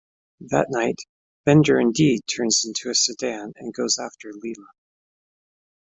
That night, Bender indeed turns into a sedan and goes after Leela.